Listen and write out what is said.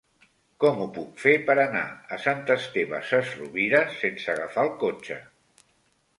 Com ho puc fer per anar a Sant Esteve Sesrovires sense agafar el cotxe?